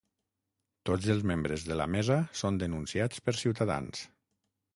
Tots els membres de la mesa són denunciats per Ciutadans